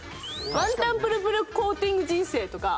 「ワンタンプルプルコーティング人生」とか。